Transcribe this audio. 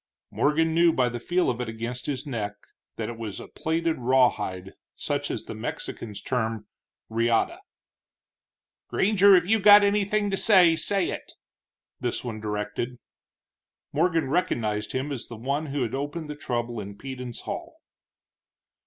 Morgan knew by the feel of it against his neck that it was a platted rawhide, such as the Mexicans term reata. "Granger, if you got anything to say, say it," this one directed. Morgan recognized him as the one who had opened the trouble in Peden's hall.